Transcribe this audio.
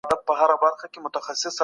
چې خوشحالي راولو.